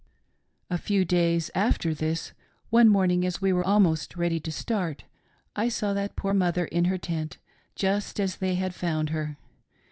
A few days after this, one morning as we were almost , ready to start, I saw that poor mother in her tent, just as they had found her.